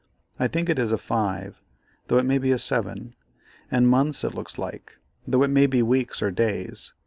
I think it is a 5, though it may be a 7; and months it looks like, though it may be weeks or days.